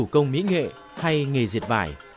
công mỹ nghệ hay nghề diệt vải